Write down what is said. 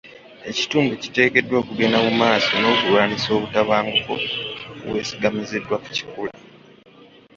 Ekitundu kiteekeddwa okugenda mu maaso n'okulwanisa obutabanguko obwesigamiziddwa ku kikula.